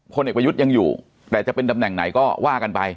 พลเอกประยุทธ์ยังอยู่แต่จะเป็นตำแหน่งไหนก็ว่ากันไป